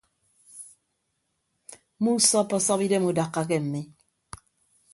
Muusọppọsọp idem udakka ke mmi.